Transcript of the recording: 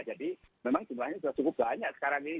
jadi memang jumlahnya sudah cukup banyak sekarang ini